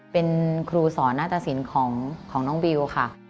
เป็นครูสอนนาฏศิลป์ของน้องบิวค่ะ